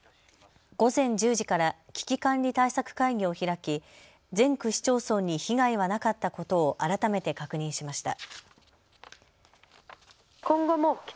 午前１０時から危機管理対策会議を開き全区市町村に被害はなかったことを改めて確認しました。